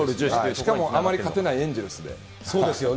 しかもあまり勝てないエンゼそうですよね。